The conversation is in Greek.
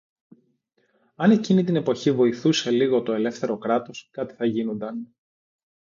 Αν εκείνη την εποχή βοηθούσε λίγο το ελεύθερο Κράτος, κάτι θα γίνουνταν